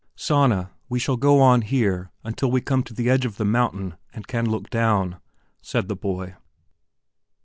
"Sanna, we shall go on here, until we come to the edge of the mountain and can look down," said the boy.